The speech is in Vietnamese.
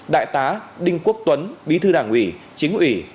đại tá đinh quốc tuấn bí thư đảng ủy chính ủy